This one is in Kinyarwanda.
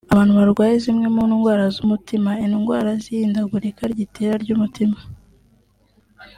Abantu barwaye zimwe mu ndwara z’umutima(indwara z’ihindagurika ry’itera ry’umutima)